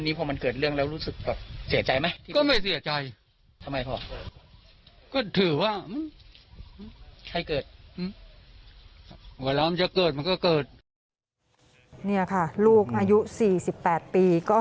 นี่ค่ะลูกอายุ๔๘ปีก็ถูกพ่อ